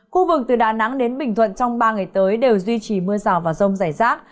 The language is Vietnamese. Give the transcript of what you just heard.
khu vực từ đà nẵng đến bình thuận trong ba ngày tới đều duy trì mưa rào và rông rải rác